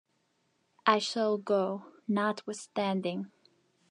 I shall go, notwithstanding.